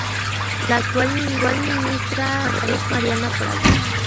La actual ministra es Mariana Prado.